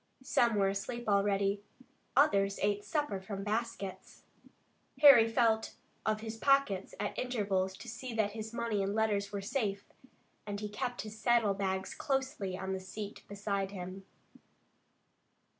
Some were asleep already. Others ate their suppers from baskets. Harry felt of his pockets at intervals to see that his money and letters were safe, and he kept his saddle bags closely on the seat beside him.